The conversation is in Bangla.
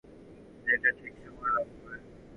বোধহয় কোন সিগনাল প্রবলেম যেটা ঠিক সময় লাগবে।